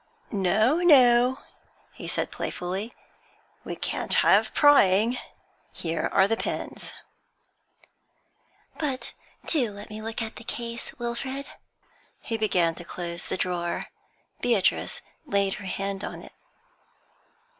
'No, no,' he said, playfully, 'we can't have prying. Here are the pens.' 'But do let me look at the case, Wilfrid.' He began to close the drawer. Beatrice laid her hand on it.